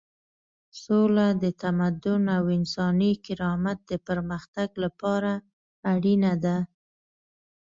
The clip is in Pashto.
سوله د تمدن او انساني کرامت د پرمختګ لپاره اړینه ده.